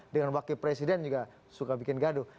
dengan wakil presiden juga suka bikin gaduh